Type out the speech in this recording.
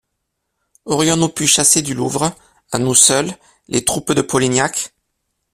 Aurions-nous pu chasser du Louvre, à nous seuls, les troupes de Polignac?